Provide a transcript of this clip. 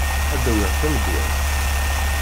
Ad d-awiɣ tamedwazt.